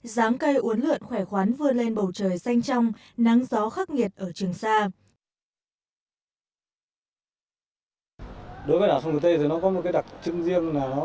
ráng cây uốn lượn khỏe khoán vươn lên bầu trời xanh trong nắng gió khắc nghiệt ở trường sa